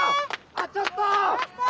あとちょっと！